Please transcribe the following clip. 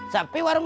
sapi warung lu